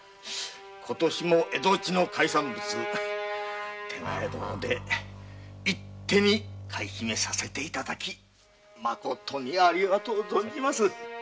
今年も蝦夷地の海産物手前どもで一手買い占めさせて頂きまことにありがとう存じます。